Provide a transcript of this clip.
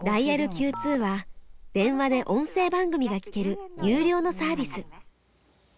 Ｑ２は電話で音声番組が聞ける有料のサービス。